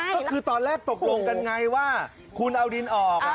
ก็คือตอนแรกตกลงกันไงว่าคุณเอาดินออก